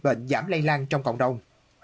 các bệnh giảm lây lan trong cộng đồng